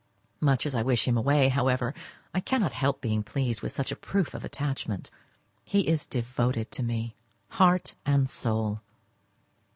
Much as I wish him away, however, I cannot help being pleased with such a proof of attachment. He is devoted to me, heart and soul.